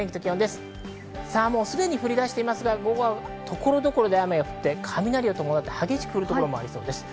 すでに降り出してますから、午後は所々で雨が降って、雷を伴って激しく降る所もありそうです。